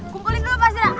kumpulin dulu pak sira